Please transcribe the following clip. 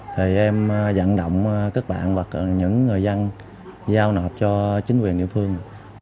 thì em dẫn động các bạn hoặc là những người dân giao nộp cho chính quyền địa phương